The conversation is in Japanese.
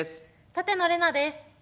舘野伶奈です。